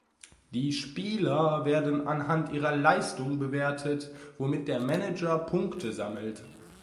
Die Spieler werden anhand ihrer Leistung bewertet, womit der Manager Punkte sammelt.